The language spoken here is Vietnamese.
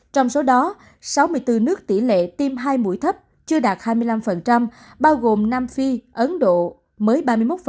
trong số đó sáu mươi bốn nước tỷ lệ tiêm hai mũi thấp chưa đạt hai mươi năm bao gồm nam phi ấn độ mới ba mươi một